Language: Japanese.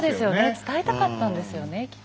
伝えたかったんですよねきっと。